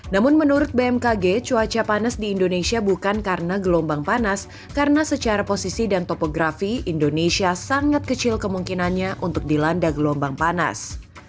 namun menurut bmkg cuaca panas di indonesia bukan karena gelombang panas karena secara posisi dan topografi indonesia sangat kecil kemungkinannya untuk dilanda gelombang panas